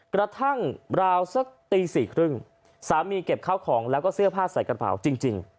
กระทั่งราวสักตี๔๓๐สามีเก็บข้าวของแล้วก็เสื้อผ้าใส่กระเป๋าจริง